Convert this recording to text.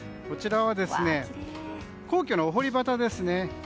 こちらは皇居のお堀端ですね。